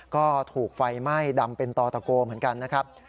ก็ถูกไฟไหม้ดำเป็นต่อตะโกเหมือนกันนะครับ